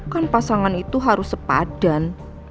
kan pasangan itu harus sepadan